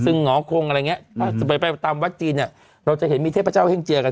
ซึงหอคงอะไรเงี้ยอืมไปไปตามวัดจีนเนี้ยเราจะเห็นมีเทพเจ้าเฮ่งเจียกัน